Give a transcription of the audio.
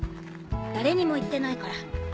誰にも言ってないから。